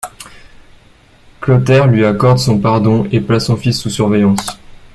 Clotaire lui accorde son pardon et place son fils sous surveillance.